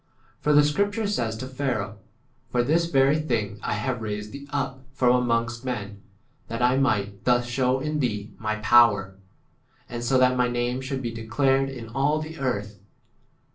For the scripture says to Pharaoh, For this very thing I have raised thee up from amongst" [men], that I might thus shew in thee my power, and so that my name should be declared in all the earth.